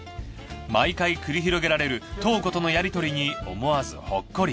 毎回繰り広げられるトウコとのやり取りに思わずホッコリ。